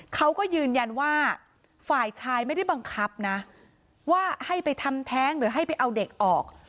เขาก็ยืนยันว่าฝ่ายชายไม่ได้บังคับนะว่าให้ไปทำแท้งหรือให้ไปเอาเด็กออก